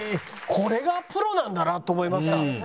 これがプロなんだなと思いました。